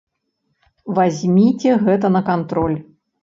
Вазьміце гэта на кантроль.